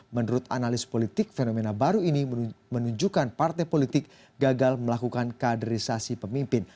menurut analis politik fenomena baru ini menunjukkan partai politik gagal melakukan kaderisasi pemimpin